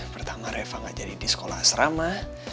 pertama reva gak jadi di sekolah asrama